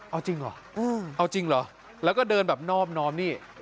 เอาจริงเหรอแล้วก็เดินแบบนอบนอมนี่